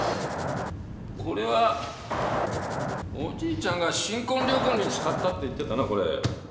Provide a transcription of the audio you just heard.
これはおじいちゃんが新婚旅行に使ったって言ってたなこれ。